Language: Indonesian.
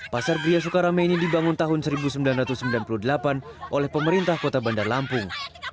pasar pria sukarame ini dibangun tahun seribu sembilan ratus sembilan puluh delapan oleh pemerintah kota bandar lampung